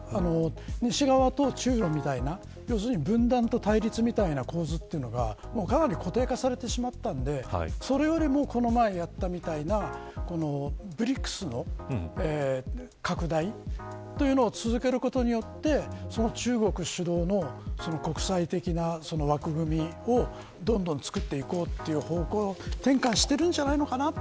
西側と中露みたいな要するに、分断と対立みたいな構図というのがかなり固定化されてしまったんでそれよりもこの前やったみたいなＢＲＩＣＳの拡大というのを続けることで中国首脳の国際的な枠組みをどんどんつくっていこうという方向転換をしているんじゃ